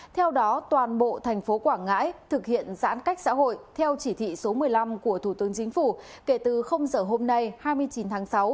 theo đó toàn bộ thành phố quảng ngãi thực hiện giãn cách xã hội theo chỉ thị số một mươi năm của thủ tướng chính phủ kể từ giờ hôm nay hai mươi chín tháng sáu